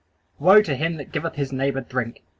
"Woe to him that giveth his neighbor drink!"